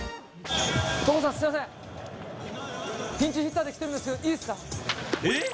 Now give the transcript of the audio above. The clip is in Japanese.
戸郷さん、すみません、ピンチヒッターで来てるんですけど、いいですか？